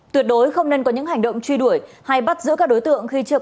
tuyệt đối không nên có những hành động truy đuổi hay bắt giữ các đối tượng